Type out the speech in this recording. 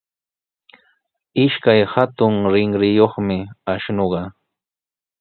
Ishkay hatun rinriyuqmi ashnuqa.